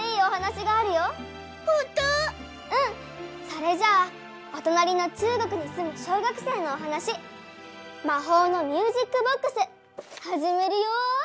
それじゃあおとなりの中国にすむ小学生のおはなし「まほうのミュージックボックス」はじめるよ。